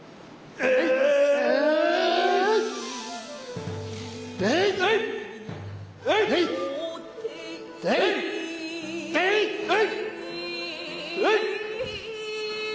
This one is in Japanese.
えい！